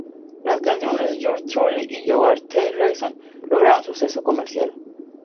Las canciones "Yours Truly" y "You Are the Reason" lograron suceso comercial.